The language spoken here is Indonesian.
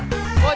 bu cerayam bu